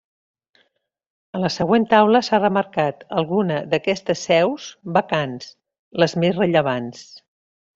A la següent taula s'ha remarcat algunes d'aquestes seus vacants, les més rellevants.